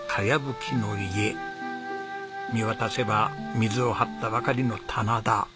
見渡せば水を張ったばかりの棚田。